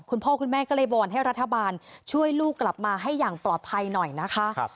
คุณพ่อคุณแม่ก็เลยวอนให้รัฐบาลช่วยลูกกลับมาให้อย่างปลอดภัยหน่อยนะคะ